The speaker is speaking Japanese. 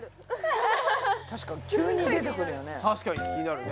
確かに急に出てくるよね。